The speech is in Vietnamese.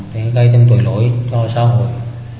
để gây tên tội lỗi cho xong rồi